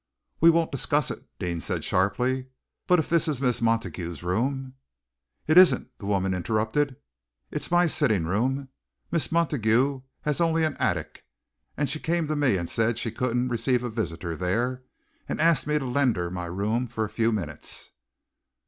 "We won't discuss it," Deane said sharply. "But if this is Miss Montague's room, " "It isn't," the woman interrupted. "It's my sitting room. Miss Montague has only an attic, and she came to me and said that she couldn't receive a visitor there, and asked me to lend her my room for a few minutes."